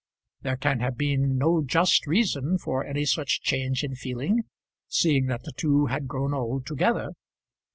There can have been no just reason for any such change in feeling, seeing that the two had grown old together.